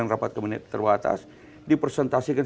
rapat kabinet terbatas dipresentasikan